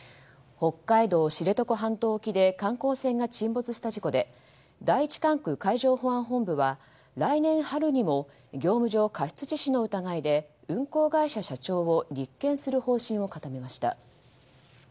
北海道知床半島沖で観光船が沈没した事故で第１管区海上保安本部は来年春にも業務上過失致死の疑いで運航会社社長を立件する方針を固めました。